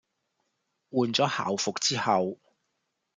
換咗校服之後